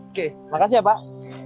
oke makasih ya pak